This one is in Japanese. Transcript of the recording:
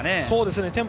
そうですね。